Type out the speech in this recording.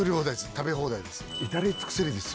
食べ放題です。